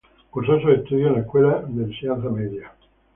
Cursó sus estudios en la Escuela Enseñanza Media nro.